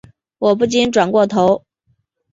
我不禁转过头